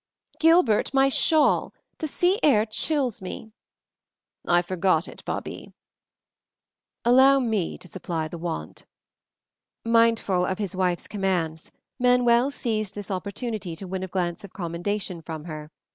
"Gilbert, my shawl. The sea air chills me." "I forgot it, Babie." "Allow me to supply the want." Mindful of his wife's commands, Manuel seized this opportunity to win a glance of commendation from her.